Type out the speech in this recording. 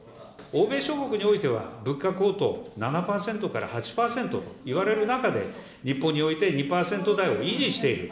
欧米諸国においては、物価高騰７％から８％といわれる中で、日本において２％台を維持している。